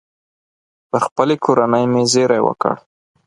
پر خپلې کورنۍ مې زېری وکړ.